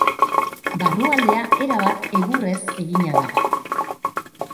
Barrualdea erabat egurrez egina da.